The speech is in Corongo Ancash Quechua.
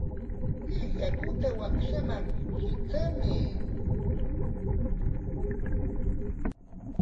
Kay yakuta washaman hitramuy.